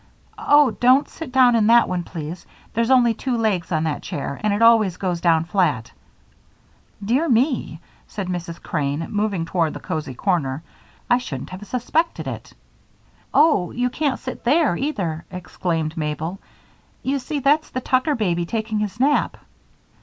Oh! don't sit down in that one, please! There's only two legs on that chair, and it always goes down flat." "Dear me," said Mrs. Crane, moving toward the cozy corner, "I shouldn't have suspected it." "Oh, you can't sit there, either," exclaimed Mabel. "You see, that's the Tucker baby taking his nap."